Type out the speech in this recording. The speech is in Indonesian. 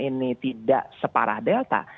ini tidak separah delta